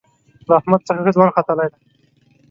له احمد څخه ښه ځوان ختلی دی.